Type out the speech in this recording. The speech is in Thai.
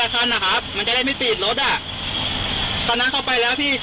ว่าการสอนรางวาลวิธีแน่ล่ะอันนั้นมีติดรถอ่ะ